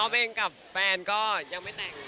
เองกับแฟนก็ยังไม่แต่ง